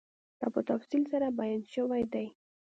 دا په تفصیل سره بیان شوی دی